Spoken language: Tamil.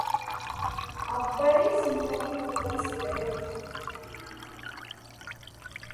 அவ்வழி சிந்தனைப் புலன் சிதறும்.